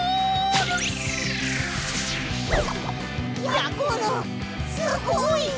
やころすごい！